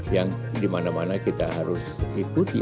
yang di mana mana kita harus ikuti